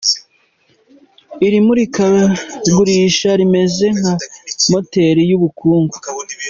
Iri murikagurisha rimeze nka moteri y’ubukungu.